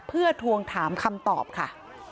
เพื่อทวงถามคำตอบค่ะ